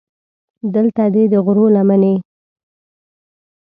دلته دې د غرو لمنې.